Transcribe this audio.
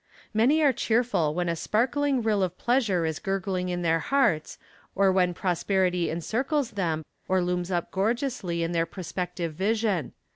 Many are cheerful when a sparkling rill of pleasure is gurgling in their hearts, or when prosperity encircles them, or looms up gorgeously in their prospective vision.